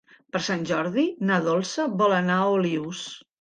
Per Sant Jordi na Dolça vol anar a Olius.